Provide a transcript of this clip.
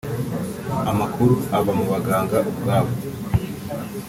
Amakuru ava mu baganga ubwabo